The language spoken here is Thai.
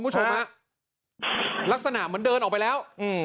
คุณผู้ชมฮะลักษณะเหมือนเดินออกไปแล้วอืม